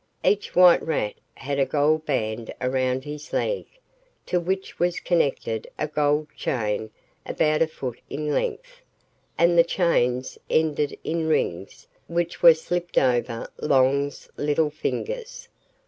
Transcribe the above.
Each white rat had a gold band around his leg, to which was connected a gold chain about a foot in length, and the chains ended in rings which were slipped over Long's little fingers.